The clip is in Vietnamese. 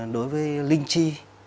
đối với linh chi